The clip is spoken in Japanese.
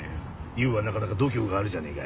ユーはなかなか度胸があるじゃねえか。